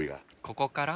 ここから。